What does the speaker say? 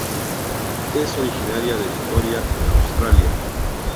Es originaria de Victoria en Australia.